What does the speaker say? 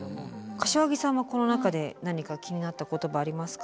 柏木さんはこの中で何か気になった言葉はありますか？